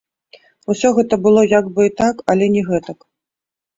Усё гэта было як бы і так, але не гэтак.